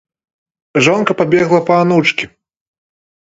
Жонка пабегла па анучкі.